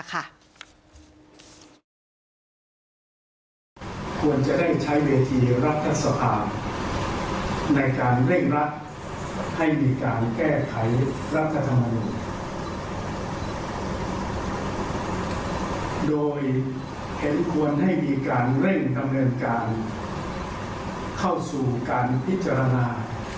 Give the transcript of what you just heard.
เห็นควรให้มีการเร่งดำเนินการเข้าสู่การพิจารณา